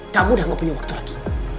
kamu udah gak punya waktu lagi